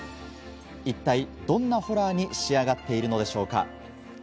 一体、どんなホラーに仕上がっているのでしょうか。